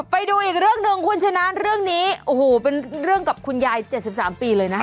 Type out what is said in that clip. ไปดูอีกเรื่องหนึ่งคุณชนะเรื่องนี้โอ้โหเป็นเรื่องกับคุณยาย๗๓ปีเลยนะคะ